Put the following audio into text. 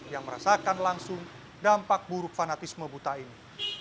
yang merasakan langsung dampak buruk fanatisme buta ini